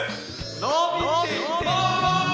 伸びてます！